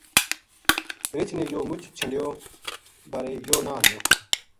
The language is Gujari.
رچھ نے یوہ مُچ چھَنڈیو با یوہ نہ ہلیو